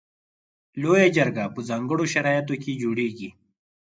لویه جرګه په ځانګړو شرایطو کې جوړیږي.